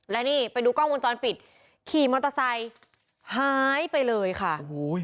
ตรงนี้ไปดูกล้องมูลจอนปิดขี่มอเตอร์ไซค์หายไปเลยค่ะ